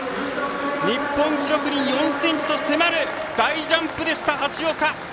日本記録に４ｃｍと迫る大ジャンプでした橋岡。